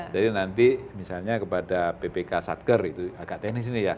jadi nanti misalnya kepada ppk satger itu agak teknis nih ya